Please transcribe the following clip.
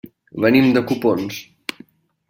Venim de Copons.